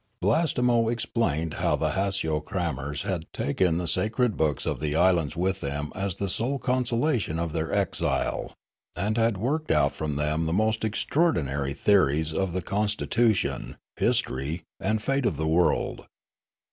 " Blastemo explained how the Haciocrammers had taken the sacred books of the islands with them as the sole consolation of their exile, and had worked out from them the most extraordinary theories of the constitu tion, history, and fate of the world.